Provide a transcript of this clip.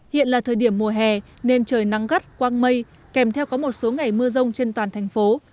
hiện là thời điểm mùa hè nên trời nắng gắt quang mây kèm theo có một số ngày mưa rông trên toàn thành phố